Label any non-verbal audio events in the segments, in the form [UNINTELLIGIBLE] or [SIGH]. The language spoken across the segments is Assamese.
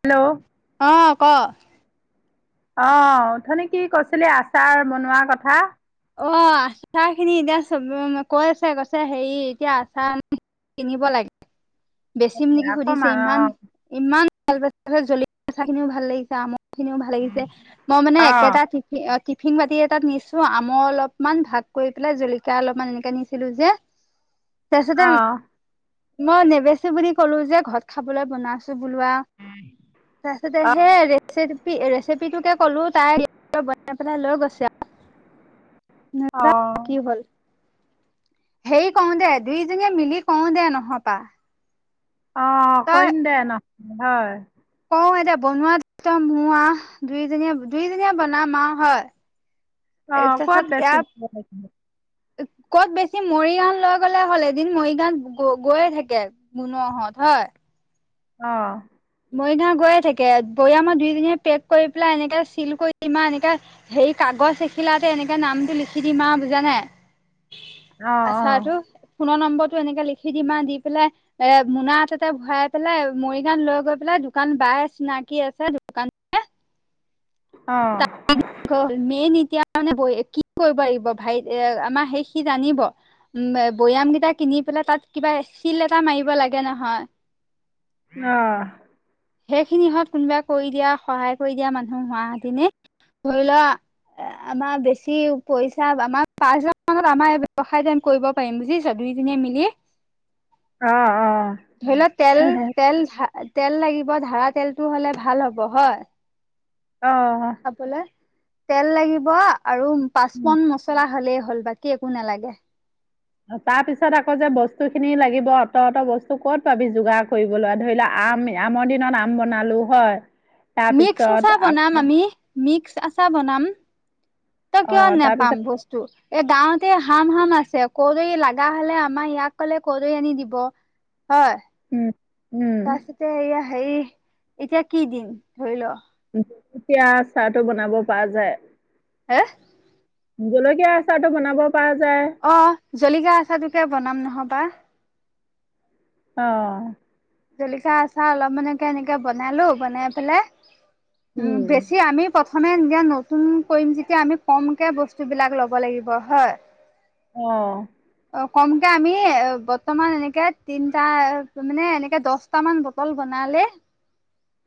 হেল্ল'। অ' ক? অ' উথনি কি কৈছিলি আচাৰ বনোৱা কথা? অ' আচাৰখিনি, এতিয়া চব কৈ আছে কৈছে হেৰি এতিয়া আচাৰ কিনিব লাগে। বেচিম নেকি সুধিছে, অকমান অ ইমান ইমান ভাল প জলচা খিনিও ভাল লাগিছে আমা খিনিও ভাল লাগিছে, মই মানে একেটা ঠিক? অ' টিফিন বাতি এটাত নিছোঁ, আমৰ অলপমান ভাগ কৰি পেলাই জলিকীয়া অলপমান এনেকা নিছিলো যে। অ তাৰপিছতে মই নেবেচো বুলি ক'লো যে ঘৰত খাবলৈ বনাইছোঁ। বলোৱা তাৰপিছতে অ সেই ৰে ৰেচিপিটোকে ক'লোঁ, তাই বনাই পনাই লৈ গৈছে আৰু। অ নাযায় থাকি গ'ল। হেৰি কওঁতে, দুইজনীয়ে মিলি কওঁতে নহয় পা। অ' কৰিম দে নহয়, হয়। কওঁ এতিয়া বনোৱাত একদম মো আ, দুইজনীয়া দুইজনীয়ে বনাম আৰু হয়। অ' ক'ত তাৰপিছত বেছিব ইয়াৰ লাগে? ক'ত বেছিম মৰিগান লৈ গ'লে হ'ল, এদিন মৰিগান গ গৈয়ে থাকে। মুনুৱাহত হয়। অ'। মৰিগাঁও গৈয়ে থাকে, বৰিয়া মই দুইজনীয়ে পেক কৰি পেলাই, এনেকে চিল কৰি দিমা এনেকে সেই কাগজ এখিলাতে এনেকে নামটো লিখি দিম আৰু বুজানে? অ অ আচাৰটো? ফোনৰ নম্বৰটো এনেকে লিখি দিম, দি পেলাই এ, মোনা হাততে ভৰাই পেলাই মৰিগাঁত লৈ গৈ পাই দোকান বাই চিনাকি আছে অ'। কল মেইন এতিয়াে কি কৰিব লাগিব, ভাই এ, আমাৰ সেই সি জানিব। উ, বৈয়ামকেইটা কিনি পেলাই তাত কিবা চিল এটা মাৰিব লাগে নহয়। অ'। সেইখিনিহত কোনোবা কৰি দিয়া, সহায় কৰি দিয়া মানুহ হোৱাহতিনে ধৰি লোৱা এ, আমাৰ বেছি পইচা আমাৰ পাঁচ হাজাৰ মানত আমাৰ ব্যৱসায় কৰিব পাৰিম বুজিছা দুইজনীয়ে মিলিয়ে [INAUDIBLE] অ অ অ ধৰি তেল তেল তেল লাগিব ধাৰা তেলতটো হ'লে ভাল হ'ব হয়। অ', খাবলৈ তেল লাগিব আৰু পাচ মন মছলা হলেই হ'ল বাকী একো নালাগে। তাৰ পিছত আকৌ যে বস্তু খিনি লাগিব অত অঁত বস্তু ক'ত পাবি যোগাৰ কৰিব লোৱা ধৰি লোৱা আম আমৰ দিনত আম বনালো হয়। মিক্স তাৰপিছত চচা বনাম আকৌ আমি মিক্স আচাৰ বনাম তই অ কিয় নোপাম তাৰপিছত বস্তু এ গাঁৱতে হাম হাম আছে কৈ লগা হলে আমাৰ ইয়াক কলে কৈ আনি দিব হয় উম উম, তাৰিছতে এয়া হে এতিয়া কি দিন ধৰি ল যেতিয়া চাহটো বনাব পৰা যায়। হা জলকীয়া আচাৰ টো বনাব পৰা যায় অ', জলিকীয়া আচটোকে বনাম নহবা অ' জলিকা আচাৰ অলপ মানেকে এনেকে বনালো বনাই পেলাই উম বেছি আমি প্ৰথ প্ৰথমেতিয়া নতুন কৰিম যেতিয়া আমি কমকে বস্তুবিলাক ল'ব লাগিব হয়। অ', অ', কমকে আমি বৰ্তমান এনেকে তিনটা মানে এ এ দহটামান বটল বনালে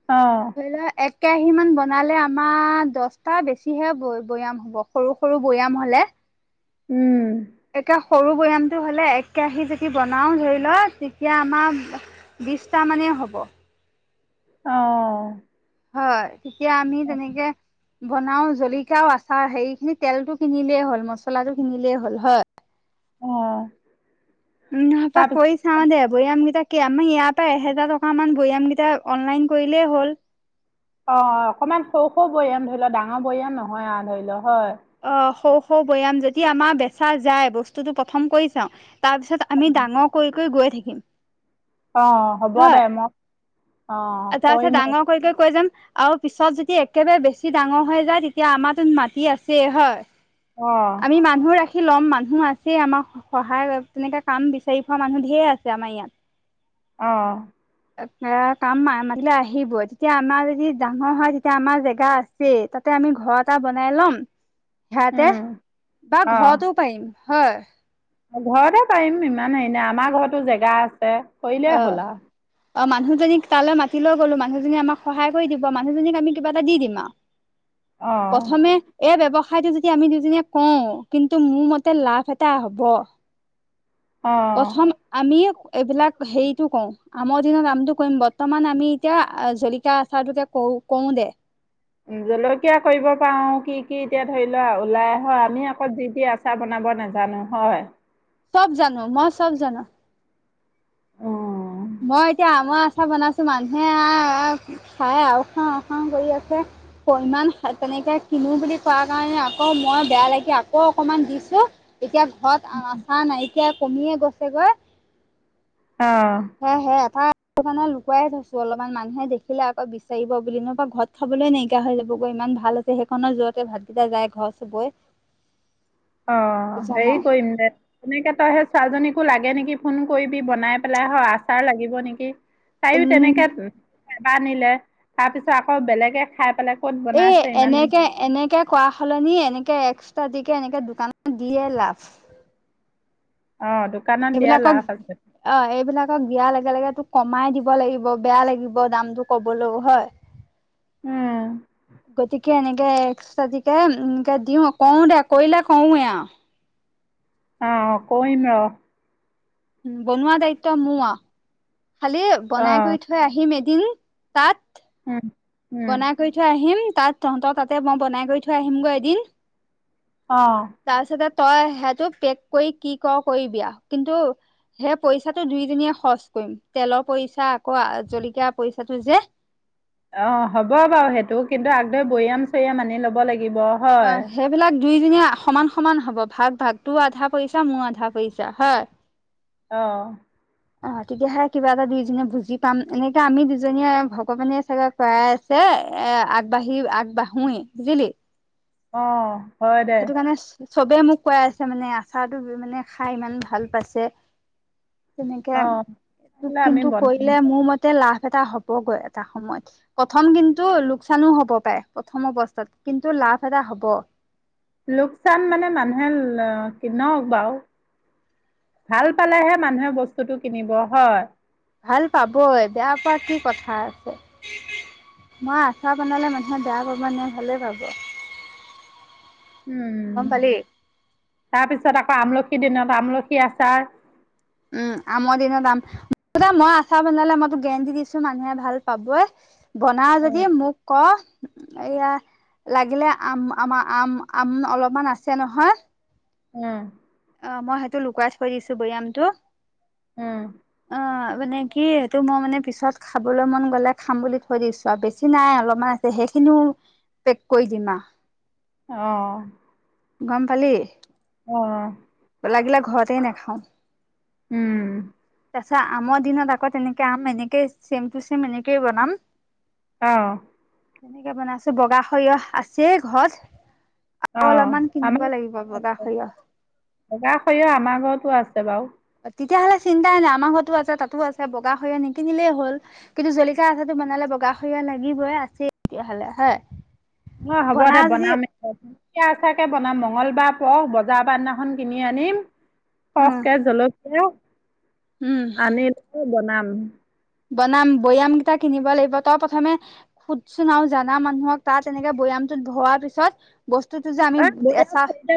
অ' ধৰি লওক এক কেৰাহী মমান বনালে আমাৰ দহটা বেছিহে ব বৈয়াম হ'ব সৰু সৰু বৈয়াম হলে উম একে সৰু বৈয়ামটো হ'লে এক কেৰাহি যেতিদি বনাও ধৰি লও তেতিয়া আমাৰ বিচটা মানেই হ'ব। অ', হয় তেতিয়া আমি তেনেকে বনাও জলিককাও আচাৰ হেৰি খিনি তেলতটো কিনিলেই হ'ল মছলাটো কিনিলেই হ'ল হয়। অ', [UNINTELLIGIBLE] চা তাৰপিছত দে বৈয়াম কেইটা কি আমাৰ ইয়াৰ পৰা এহেজাৰ টকা মান বৈয়ামকেইটা অনলাইন কৰিলেই হ'ল। অ', অকমান সৌ সৌ বৈয়ান ধৰি লোৱা ডাঙৰ বৈয়ান নহয় আৰু ধৰি লও হয়। অ', সৌ সৌ বৈয়াম যদি আমাৰ বেচা যায় বস্তুটো প্ৰথম কৰি চাও তাৰ পিছত আমি ডাঙৰ কৰি কৰি গৈ থাকিম। অ', হ'ব দে হয় মই অ', আচ্ছা আচ্ছা কৰিম ডাঙৰ কৰি কৈ কৈ যাম। আৰু পিছত যদি একেবাৰে বেছি ডাঙৰ হৈ যায় তেতিয়া আমাৰো মাটি আছে হয়। অ' আমি মানুহ ৰাখি ল'ম মানুহ আছেই আমাক সহায় তেনেককা কাম বিচাৰি পোৱা মানুহ ধঢেৰ আছে আমাৰ ইয়াত অ' কাম মতিলে আহিব তেতিয়া আমাৰ যদি ডাঙৰ হয় তেতিয়া আমাৰ জেগা আছে তাতে আমি ঘৰ এটা বনাই ল'ম। সিহতে উম, বা অ', ঘৰৰতো পাৰিম হয় ঘৰতে পাৰিম ইমান হেৰি নাই আমাৰ ঘৰতো জেগা আছে কৰিলেই আহ, হ'ল আৰু। অ', মুহজনী তালৈ মাতি লৈ গ'লো, মানুহজনী আমাক সহায় কৰি দিব, মানুহজনীক আমি কিবা এটা দিম আৰু অ', প্ৰথমে, এই, ব্যৱসায়টো যদি আমি দুজনে কওঁ কিন্তু মোৰ মতে লাভ এটা হব। অ'। প্ৰথম, আমি এইবিলাক হেৰিতটো কওঁ। আমৰ দিনত আমটো কৰিম, বৰ্তমান আমি এতিয়া জলিকীয়া আচাৰটোোকে কৰো কৰো দে। জলকীয়া কৰিব পাৰও, কি, কি, এতিয়া ধৰি লোৱা ওলাই আহ আমি আকৌ যি দি আছো- চাহ, বনাব নাজানো হয়। সব জানো, মই সব জানো। উম মই, এতিয়া আমৰ আচাৰ বনাইছো, মানুহে আহ খাই, আৰু খাং উ খাং কৰি আছে। ইমান তেনেকে কিনো বুলি কোৱা কাৰণে, আকৌ মই বেয়া লাগে আকৌ অকমান দিছো। এতিয়া ঘৰত আচাৰ নাইকিয়া কমিয়ে গৈছেগৈ অ' সেয়েহে এটো কাৰনে, লুকুৱাই থৈছো অলপমান মানুহে দেখিলে আকৌ বিচাৰিব বুলি নহবা ঘৰত খাবলৈ নাইকিয়া হৈ যাবগৈ, ইমান ভাল আছে সেইখনৰ জুৰতে ভাতকেইটা যাই ঘৰ বৈ আহ সেই কৰিম দে এনেকে তই সেই ছোৱালীজনীকো লাগে নেকি, ফোন কৰিবি বনাই পেলাই হয় আচাৰ লাগিব নেকি তায় ও তেনেকে উম এবাৰ নিলে, তাৰ পিছত আকৌ বেলেগে খাই পেলাই ক'ত এ বনাইছে ইমান ধুনীয়া এনেকে এনেকে কৰা হলনি, এনেকে এক্সট্ৰা দিকে এনেকে দোকানত দিয়ে লাভ অ', দোকানত দিয়া এইবিলাকক লাভ আছে অ' এইবিলাকক দিয়াৰ লগে লগে, তোক কমাই দিব লাগিব বেয়া লাগিব, দামতটো কবলৈও হয়- [INAUDIBLE] উম গতি [INAUDIBLE] এনেকে এক্সট্ৰাটিকে এনেকে দিওঁ কৰো, দে কৰিলে কৰওঁৱে আৰু অ', কৰিম ৰহ বনোৱা দায়িত্ব মোৰ আহ, খালি বনাই অ', কৰি থৈ আহিম এদিন তাত উম উম বনাই কৰি থৈ আহিম, তাত তহঁতৰ তাতে মই বনাই কৰি থৈ আহিম গৈ এদিন অ', তাৰপিছতে, তই সেইটো পেক কৰি কি কৰ কৰিবি, আৰু কিন্তু সেই পইচাটো দুইজনীয়ে খৰচ কৰিম, তেলৰ পইচা আকৌ জলকীয়া পইচাটো যে- অ' হ'ব বাৰু সেইটো কিন্তু আগতে বৈয়াম চৈয়াম আানি লব লাগিব হয় অ', সেইবিলাক দুয়োজনীয়ে সমান সমান হ'ব, ভাগ, ভাগ, তোৰ আধা পইচা মোৰ আধা পইচা হয়। অ', অ' তেতিয়াহে কিবা এটা দুইজনীয়ে বুজি পাম এনেকে আমি দুজনীয়ে ভগৱানে চাগে খৰাই আছে এ আগবাঢ়ি আগবাঢ়োৱে বুজিলি অ' হয় দে সেইটো কাৰণে চবে মোক কয় আছে মানে, আচাৰটো মানে খাই ইমান ভাল পাইছে তেনেকে, অ তোক বোলে আমি কিন্তু বনাম কৰিলে মোৰ মতে লাভ এটা হ'বগৈ এটা সময়ত প্ৰথম, কিন্তু লোকচানো হব পাৰে, প্ৰথম অৱস্থাত কিন্তু লাভ এটা হব। লোকচান মানে, মানুহে কিনক বাৰু ভাল পালেহে, মানুহে বস্তুটো কিনিব হয় ভাল পাবই, বেয়া পোৱা কি কথা আছে মই, আচাৰ বনালে মানুহে বেয়া পাব নে ভালে পাব। [INAUDIBLE] গম পালি তাৰপিছত, আকৌ আমলখি দিনত আমলখি আচাৰ উম, আমৰ দিনত আম। মুঠতে মই আছাৰ বনালে মই তোক গেৰেণ্টি দিছোঁ মানুহে ভাল পাবয়ে। বনাও উম যদি মোক কৰ। এয়া লাগিলে আম আমাৰ আম আম অলপমান আছে নহয়। উম। অ' মই সেইটো লুকুৱাই থৈ দিছোঁ বৈয়ামটো। উম। অ' মানে কি এইটো মই মানে পিছত খাবলৈ মন গ'লে খাম বুলি থৈ দিছোঁ আৰু বেছি নাই অলপমান হেইখিনিও পেক কৰি দিম আ। অ' গ'ম পালি। অ' লাগিলে ঘৰতেই নাখাওঁ। উম। তাৰপাছত আমৰ দিনত আকৌ তেনেকে আম এনেকে চেম টু চেম এনেকেয় বনাম। অ' তেনেকে বনাইছোঁ বগা সৰিয়হ আছেই ঘৰত। অ আৰু অলপমান কিনিব আমাৰ লাগিব বগা আছে সৰিয়হ। বগা সৰিয়হ আমাৰ ঘৰতো আছে বাৰু। তেতিয়াহ'লে চিন্তাই নাই। আমাৰ ঘৰতো আছে, তাতো আছে, বগা সৰিয়হ নিকিনিলেই হ'ল। কিন্তু জলিকীয়া আছাৰটো বনালে বগা সৰিয়হ লাগিবই আছে তেতিয়াহ'লে হয়। অ' হ'ব দে বনাও যদি বনাম জলকীয়া আছাৰকে বনাম মঙগলবাৰ পৰক বজাৰ বাৰ দিনাখন কিনি আনিম। উম, সৰহকে জলকীয়া উম, আনিলৈয় বনাম। বনাম, বৈয়াম কেইটা কিনিব লাগিব তই প্ৰথমে সুধ চোন আৰু জানা মানুহক তাত এনেকে বৈয়ামটোত ভোৱাৰ পিছত বস্তুতটো যে আমি এই বৈয়াম এচাহ হেৰিতে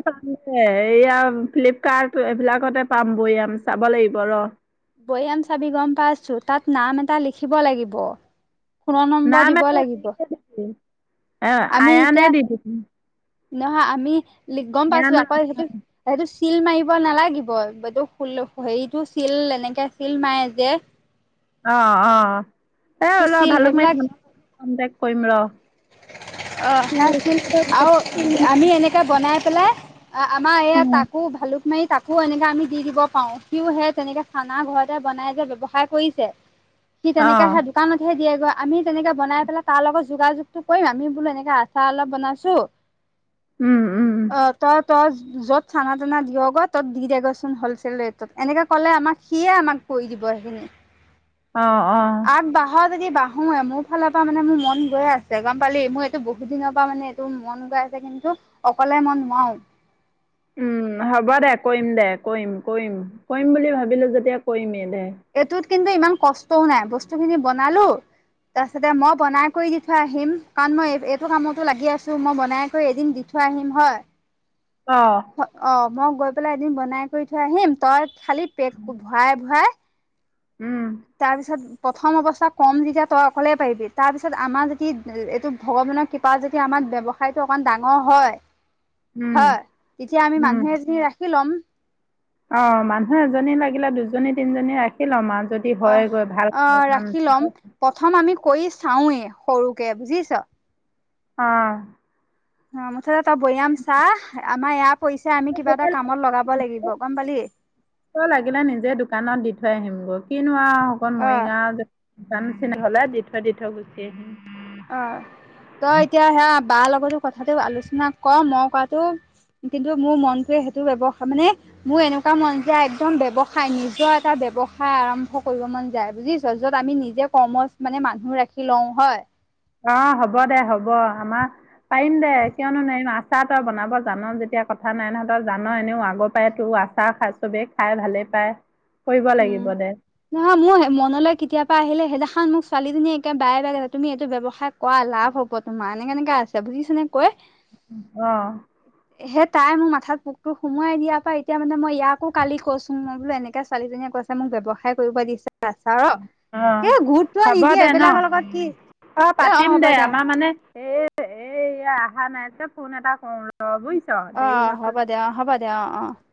এইয়া ফ্লিপকাৰ্ট এইবিলাকতে পাম বৈয়াম চাব লাগিব ৰহ। বৈয়াম চাবি গ'ম পাইছোঁ তাত নাম এটা লিখিব লাগিব। ফোনৰ নম্বৰ নাম দিব এটা লাগিব। হেৰিকে দিবি এ আমি আয়ানে এতিয়া দি দিবি নহয় আমি গ'ম পাইছোঁ। আয়ানা আকৌ সেইটো আচাৰ সেইটো চিল মাৰিব নালাগিব, এইটো হেৰিতটো চিল এনেকে চিল মাৰে যে। অ' অ' এই সেইটো ৰহ চিল ভালুক সেইবিলাক মাৰি ধনকে কণ্টেক্ট কৰিম ৰহ। অ' সেইয়া ছিল আৰু ঘৰতে চিনি আমি এনেকে বনাই পেলাই। আমাৰ এইয়া পাওঁ। তাকো ভালুক মাৰি তাকো। তাকো এনেকে আমি দি দিব পাৰোঁ, সিও সেই তেনেকে চানা ঘৰতে বনাই যে ব্যৱসায় কৰিছে। সি অ তেনেকে দোকানতহে দিয়েগৈ, আমি তেনেকে বনাই পেলাই তাৰ লগত যোগাযোগ টো কৰিম আমি বোলো এনেকে আছাৰ অলপ বনাইছো, উম উম অ' তই তই য'ত চানা টানা দিয়গে তত দি দিদেগৈচোন হ'লচেল ৰেটত এনেকে ক'লে আমাক সিয়ে আমাক কৰি দিব সেইখিনি। অ' অ' তাত বাঁহৰ যদি বাহোই মোৰ ফালৰ পৰা মানে মোৰ মন গৈয়ে আছে, গ'ম পালি মোৰ এইটো বহুত দিনৰ পৰা মানে মন গৈ আছে, কিন্তু অকলে মই নোৱাৰোঁ। উম, হ'ব দে কৰিম দে, কৰিম কৰিম কৰিম বুলি ভাবিলো যেতিয়া কৰিমেই দে। এইটোত কিন্তু ইমান কষ্টও নাই বস্তু খিনি বনালো। তাৰ পিছতে মই বনাই কৰি দি থৈ আহিম। কাৰণ মই এইটো কামতো লাগি আছোঁ। মই বনাই কৰি এদিন দি থয় থয় আহিম হয়। অ' অ' মই গৈ পেলাই এদিন বনাই কৰি থয় আহিম। তই খালি পেক ভৰাই ভৰাই উম তাৰপিছত। প্ৰথম অৱস্থা কম যেতিয়া তই অকলেই পাৰিবি, তাৰপিছত আমাৰ যদি এইটো ভগৱানৰ কৃপা যদি আমাৰ ব্যৱসায়টো অকণমান ডাঙৰ হয়। উম। যেতিয়া আমি উম মানুহ এজন ৰাখি ল'ম। অ', মানুহ এজনী লাগিলে দুজনী তিনজনী ৰাখি লম আৰু যদি আহ হয় গৈ ভাল আহ কাম ৰাখি ল'ম প্ৰথম আমি কৰি চাওৱেই সৰুকে বুজিছ। অ'। অ', মুঠতে তই বৈাআম চা আমাৰ এয়া পইচা আমি কিবা এটা কামত লগাব লাগিব গম পালি। ত লাগিলে নিজে দোকানত দি থৈ আহিম গৈ কিনো আৰু অকল অ মৰিগাঁও যে [UNINTELLIGIBLE] দি থৈ দি থৈ গুচি আহিম। অ', তই এতিয়া সেয়া বাৰ লগতো কথাটো আলোচনা কৰ মই কৰাটো। কিন্তু মোৰ মনটোৱে সেইটো ব্যৱসায় মানে মোৰ এনেকুৱা মন যায় একদম ব্য়ৱসায় নিজৰ এটা ব্য্ৱসায় আৰম্ভ কৰিব মন যায় বুজিছ। যত আমি নিজে কৰ্মচ মানে মানুহ ৰাখি লওঁ হয়। অ', হ'ব দে হ'ব আমাৰ পাৰিম দে কিয়নো নাৰিম আচাৰ তই বনাব জান যেতিয়া কথা নাই নহঁতৰ জ এনেও আগৰ পৰাাই তোৰ আচ ৰ খাই চবে খাই ভালে পায় কৰিব উম। লাগিব দে। নহয় মোৰ মনলৈ কেতিয়াবা আহিলে সেইদিনাখন মোক ছোৱালীজনী একে বায়ে বাৰে তুমি এইটো ব্যৱসায় কৰা লাভ হ'ব তোমাৰ এনেক কে এনেকাে আছে বুজিছ নে কৈ। অ'। হে তাই মোৰ মাথাত পোকটো সোমোৱাই দিয়াৰ পৰা এতিয়া মানে মই ইয়াকো কালি কৈছো মই বোলো এনেকে ছোৱালিজনীয়ে কৈছে মোক ব্যৱসায় কৰিব দিছে। আচাৰৰ অ সেই গুৰুত্ব হ'ব নিদিয়ে দে ন এইবিলাকৰ লগত কি অ', পাতিম দে আমাৰ মানে এ এ অহা নাই যে ফোন এটা কৰো অ', বুজিছো অ দেৰি হৈছে যে। হ'ব হব। অ', অ'।